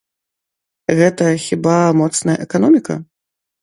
Гэта хіба моцная эканоміка?